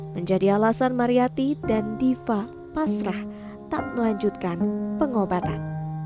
menjadi alasan mariyati dan giva pasrah tak melanjutkan pengobatan